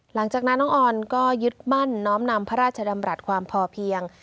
หลังจากนั้นน้องออนก็ยึดมั่นน้อมนำพระราชดำรัฐความพอเพียง